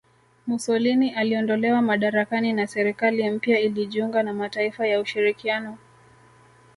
Mussolini aliondolewa madarakani na serikali mpya ilijiunga na mataifa ya ushirikiano